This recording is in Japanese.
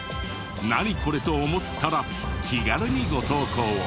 「ナニコレ？」と思ったら気軽にご投稿を。